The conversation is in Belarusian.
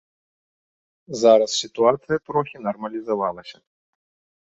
Зараз сітуацыя трохі нармалізавалася.